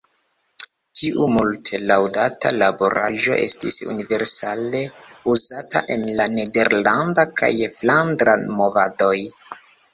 Tiu multe laŭdata laboraĵo estis universale uzata en la nederlanda kaj flandra movadoj.